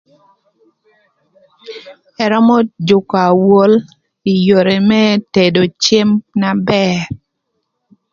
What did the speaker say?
Ërömö jükö awol ï yodhi më tedo cem na bër.